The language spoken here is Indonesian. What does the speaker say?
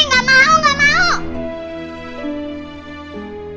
gak mau gak mau